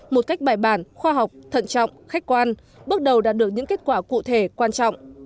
một cách bài bản khoa học thận trọng khách quan bước đầu đạt được những kết quả cụ thể quan trọng